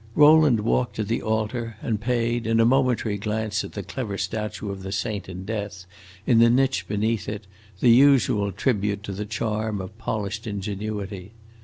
Rowland walked to the altar, and paid, in a momentary glance at the clever statue of the saint in death, in the niche beneath it, the usual tribute to the charm of polished ingenuity.